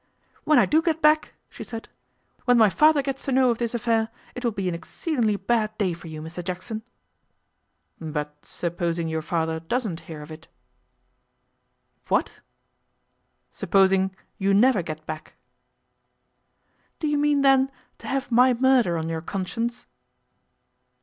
'When I do get back,' she said, 'when my father gets to know of this affair, it will be an exceedingly bad day for you, Mr Jackson.' 'But supposing your father doesn't hear of it ' 'What?' 'Supposing you never get back?' 'Do you mean, then, to have my murder on your conscience?